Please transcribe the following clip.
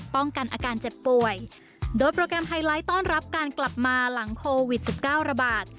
ป้องกันอาการเจ็บป่วยโดยโปรแกรมไฮไลท์ต้อนรับการกลับมาหลังโควิดสิบเก้าระบาด